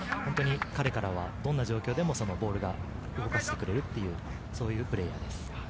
彼からはどんな状況でもボールが動かしてくれるという、そういうプレーヤーです。